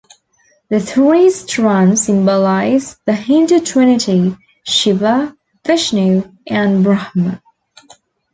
The three strands symbolise the Hindu trinity - "Shiva", "Vishnu" and "Brahma".